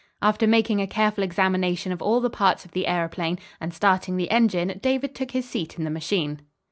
After making a careful examination of all the parts of the aëroplane, and starting the engine, David took his seat in the machine.